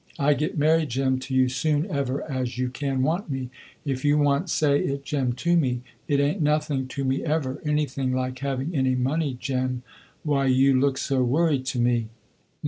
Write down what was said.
I get married Jem to you soon ever as you can want me, if you once say it Jem to me. It ain't nothing to me ever, anything like having any money Jem, why you look so worried to me."